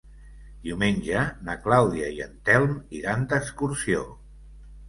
Diumenge na Clàudia i en Telm iran d'excursió.